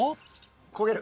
焦げる。